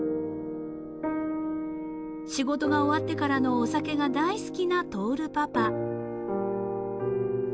［仕事が終わってからのお酒が大好きな亨パパ］